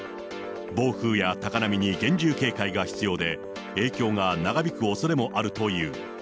暴風や高波に厳重警戒が必要で、影響が長引くおそれもあるという。